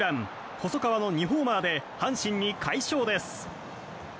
細川の２ホーマーで阪神に快勝です。